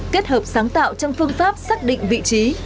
kết hợp sáng tạo trong phương pháp xác định vị trí